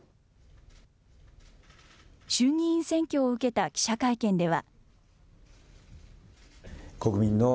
衆議院選挙を受けた記者会見では。